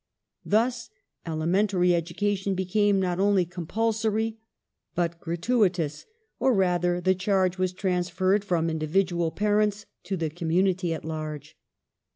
Thus elementary education became not only compulsory, but gi atuitous — or rather the charge was transferred from indi vidual parents to the cQmmunity at large.